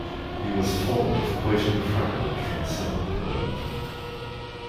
He was fond of quoting a fragment from a certain poem.